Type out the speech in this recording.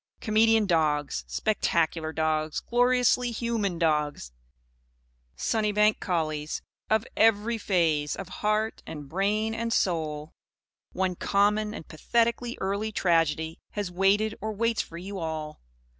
Comedian dogs, spectacular dogs, gloriously human dogs, Sunnybank collies of every phase of heart and brain and soul one common and pathetically early tragedy has waited or waits for you all!